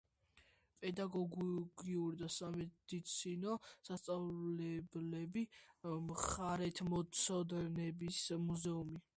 პედაგოგიური და სამედიცინო სასწავლებლები, მხარეთმცოდნეობის მუზეუმი.